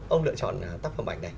ông lựa chọn tác phẩm ảnh này